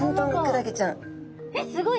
えっすごい！